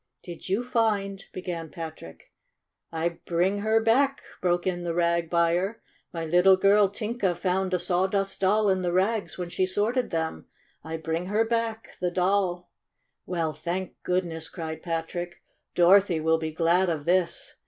"Did you find " began Patrick. "I bring her back!" broke in the rag buyer. "My little girl, Tinka, found a A HAPPY VISIT 105 Sawdust Doll in the rags when she sorted them. I bring her back — the Doll." '' Well, thank goodness!" cried Patrick. " Dorothy will be glad of this!